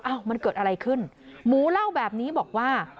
มันเกิดอะไรขึ้นหมูเล่าแบบนี้บอกว่า